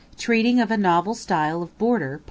TREATING OF A NOVEL STYLE OF BOARDER.